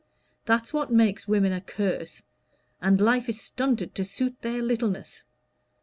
That's what makes women a curse; and life is stunted to suit their littleness.